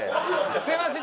すみません